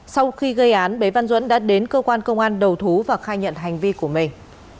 sau khi gây án bế văn duẫn đã đến cơ quan công an đầu thú và khai nhận hành vi của mình